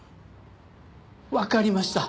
わかりました。